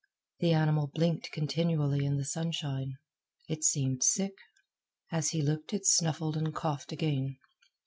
The animal blinked continually in the sunshine. It seemed sick. As he looked it snuffled and coughed again.